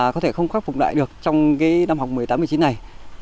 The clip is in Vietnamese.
có thể không khắc phục lại được trong năm học một mươi tám một mươi chín này